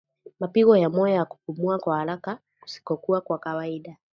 Mapigo ya moyo na kupumua kwa haraka kusikokuwa kwa kawaida